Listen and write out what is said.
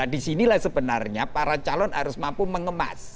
disinilah sebenarnya para calon harus mampu mengemas